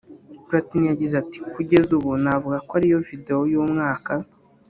Platini yagize ati “Kugeza ubu navuga ko ari yo video y’umwaka